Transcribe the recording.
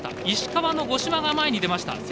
石川の五島が前に出ました。